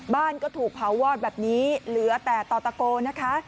บ้านก็ถูกเผาวอดแบบนี้เหลือแต่ต่อตะโกนะคะ